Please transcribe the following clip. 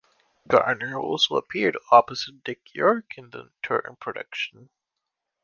Garner also appeared opposite Dick York in the touring production.